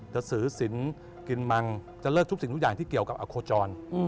จะซื้อสินกินมังจะเลิกทุกสิ่งทุกอย่างที่เกี่ยวกับอโคจร